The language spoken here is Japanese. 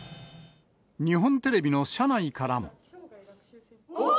日本テレビの社内からも。